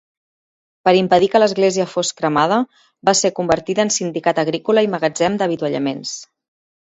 Per impedir que l'església fos cremada, va ésser convertida en sindicat agrícola i magatzem d'avituallaments.